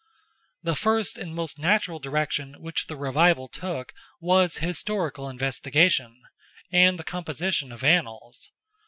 The first and most natural direction which the revival took was historical investigation, and the composition of Annals.